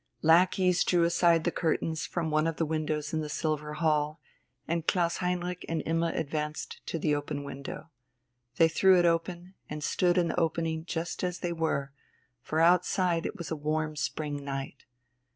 Lackeys drew aside the curtains from one of the windows in the Silver Hall, and Klaus Heinrich and Imma advanced to the open window. They threw it open, and stood in the opening just as they were, for outside it was a warm spring night.